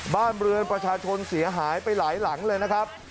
บ้านเรือนประชาชนเสียหายไปหลายหลังเลยนะครับ